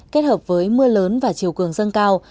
kết hợp với mưa lớn và chiều cường dâng cao